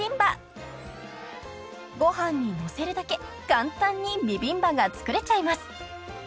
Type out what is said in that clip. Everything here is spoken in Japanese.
［ご飯にのせるだけ簡単にビビンバが作れちゃいます］